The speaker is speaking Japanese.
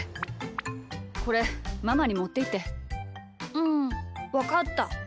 うんわかった。